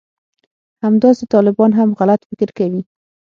همداسې طالبان هم غلط فکر کوي